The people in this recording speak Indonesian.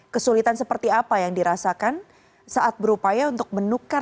kesulitan seperti apa yang dirasakan saat berupaya untuk menukar